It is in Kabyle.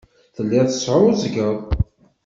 Telliḍ tesɛuẓẓgeḍ.